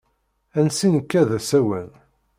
Ansi nekka d asawen.